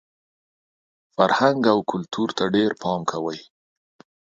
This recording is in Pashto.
فرهنګ او کلتور ته ډېر پام کوئ!